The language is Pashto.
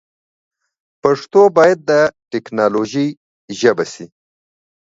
پښتو باید د ټیکنالوژي ژبه سی.